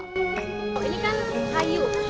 ini kan kayu